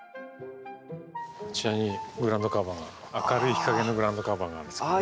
こちらにグラウンドカバーが明るい日かげのグラウンドカバーがあるんですけどね。